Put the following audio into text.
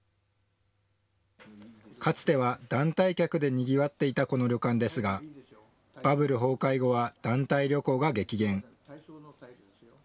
かつては団体客でにぎわっていたこの旅館ですがバブル崩壊後は団体旅行が激減。